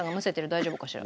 大丈夫かしら。